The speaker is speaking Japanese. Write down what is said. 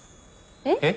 えっ？